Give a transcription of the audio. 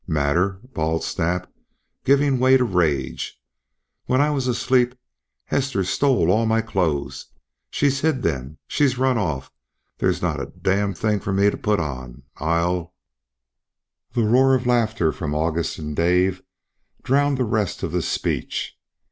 "Matter!" bawled Snap, giving way to rage. "When I was asleep Hester stole all my clothes. She's hid them she's run off there's not a d n thing for me to put on! I'll " The roar of laughter from August and Dave drowned the rest of the speech.